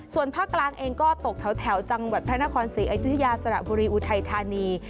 ส่วนภาคกลางเองก็ตกแถวจังหวัดพระนครศรีอยุธยาสระบุรีอุทัยธานี